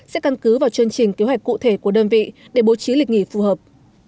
sẽ căn cứ vào chương trình kế hoạch cụ thể của đơn vị để bố trí lịch nghỉ phù hợp